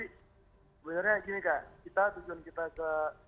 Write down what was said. sebenarnya gini kak kita tujuan kita ke